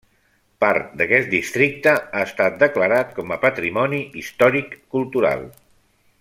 Part d'aquest districte ha estat declarat com a patrimoni històric cultural.